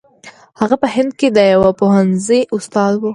هغه په هند کې د یوه پوهنځي استاد وو.